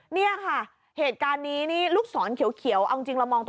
พี่รออยู่โอ้โหเดี๋ยวก่อนเดี๋ยวก่อนจริงจริงอ่ะเออ